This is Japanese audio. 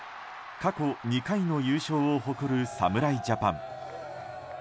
過去２回の優勝を誇る侍ジャパン。